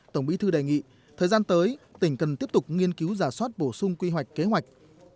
tổng bí thư đề nghị thời gian tới tỉnh cần tiếp tục nghiên cứu giả soát bổ sung quy hoạch kế hoạch